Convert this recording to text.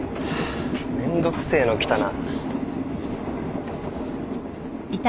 めんどくせえの来たな。